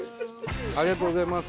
ありがとうございます。